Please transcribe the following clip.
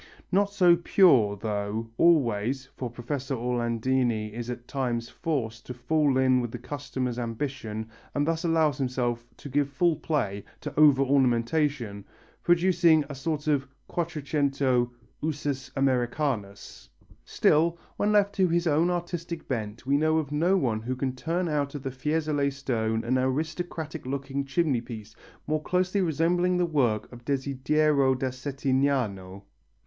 Not so pure, though, always, for Professor Orlandini is at times forced to fall in with the customer's ambition and thus allows himself to give full play to over ornamentation, producing a sort of Quattrocento usus Americanus. Still, when left to his own artistic bent we know of no one who can turn out of the Fiesole stone an aristocratic looking chimneypiece more closely resembling the work of Desiderio da Settignano.